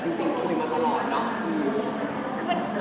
แต่แค่มีการพูดคุยกัน